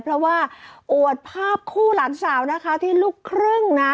เพราะว่าอวดภาพคู่หลานสาวนะคะที่ลูกครึ่งนะ